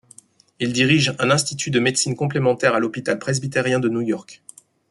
Il dirige un institut de médecine complémentaire à l'Hôpital presbytérien de New York.